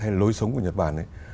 hay lối sống của nhật bản ấy